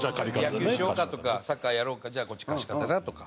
野球しようかとかサッカーやろうか「じゃあこっち貸方な」とか。